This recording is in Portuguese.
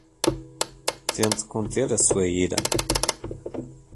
Tente conter a sua ira